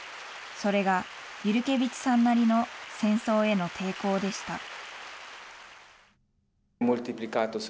それがユルケヴィチさんなりの戦争への抵抗でした。